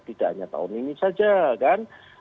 tidak hanya tahun ini saja kan